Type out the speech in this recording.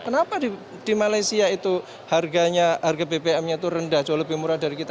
kenapa di malaysia itu harganya harga bbm nya itu rendah jauh lebih murah dari kita